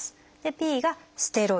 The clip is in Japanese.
「Ｐ」がステロイド。